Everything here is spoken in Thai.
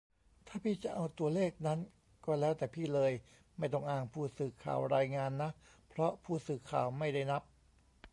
"ถ้าพี่จะเอาตัวเลขนั้นก็แล้วแต่พี่เลย ไม่ต้องอ้างผู้สื่อข่าวรายงานนะ เพราะผู้สื่อข่าวไม่ได้นับ""